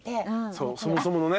そもそものね。